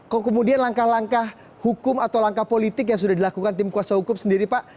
kok kemudian langkah langkah hukum atau langkah politik yang sudah dilakukan tim kuasa hukum sendiri pak